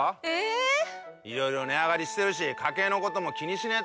いろいろ値上がりしてるし家計のことも気にしねぇとな。